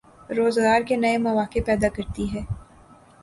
روزگار کے نئے مواقع پیدا کرتی ہے۔